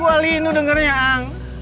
gue lindu dengernya ang